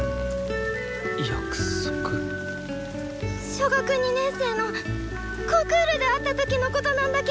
小学２年生のコンクールで会った時のことなんだけど！